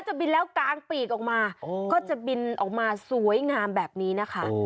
จะบินแล้วกางปีกออกมาก็จะบินออกมาสวยงามแบบนี้นะคะ